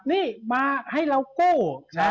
นี่มาให้เรากู้